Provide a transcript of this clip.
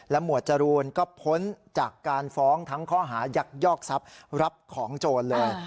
หมวดจรูนก็พ้นจากการฟ้องทั้งข้อหายักยอกทรัพย์รับของโจรเลย